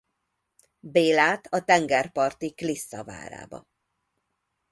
Bélát a tengerparti Klissza várába.